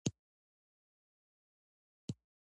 ازادي راډیو د حیوان ساتنه د پراختیا اړتیاوې تشریح کړي.